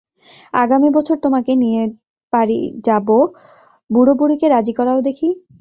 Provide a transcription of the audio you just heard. আগামী বছর তোমাকে নিয়ে পারি যাব, বুড়োবুড়ীকে রাজী করাও দেখি।